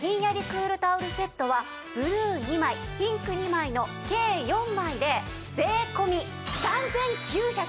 クールタオルセットはブルー２枚ピンク２枚の計４枚で税込３９８０円です。